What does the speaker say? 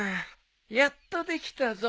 やっとできたぞ。